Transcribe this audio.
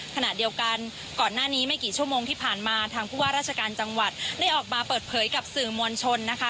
ขณะเดียวกันก่อนหน้านี้ไม่กี่ชั่วโมงที่ผ่านมาทางผู้ว่าราชการจังหวัดได้ออกมาเปิดเผยกับสื่อมวลชนนะคะ